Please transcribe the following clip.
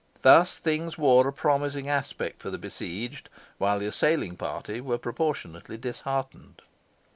Thus things wore a promising aspect for the besieged, while the assailing party were proportionately disheartened.